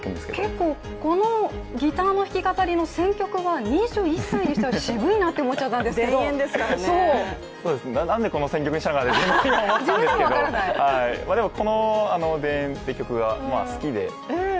結構このギターの引き語りの選曲は２１歳にしては渋いなと思っちゃったんですけど何でこの選曲にしたのかなっていうのは自分でも分からないんですけどでも、この「田園」って曲が好きで。